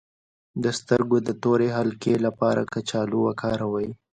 د سترګو د تورې حلقې لپاره کچالو وکاروئ